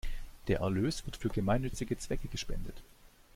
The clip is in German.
Der Erlös wird für gemeinnützige Zwecke gespendet.